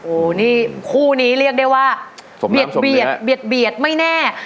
โอ้นี่คู่นี้เรียกได้ว่าสมน้ำสมเนื้อเบียดไม่แน่